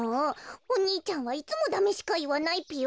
お兄ちゃんはいつもダメしかいわないぴよ。